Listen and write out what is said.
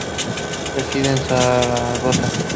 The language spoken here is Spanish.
Reside en Zaragoza.